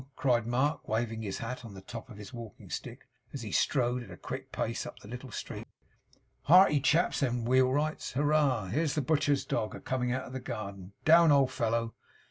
cried Mark, waving his hat on the top of his walking stick, as he strode at a quick pace up the little street. 'Hearty chaps them wheelwrights hurrah! Here's the butcher's dog a coming out of the garden down, old fellow!